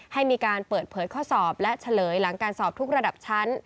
ให้มีการเปิดเผยข้อสอบและเฉลยหลังการสอบทุกระดับชั้น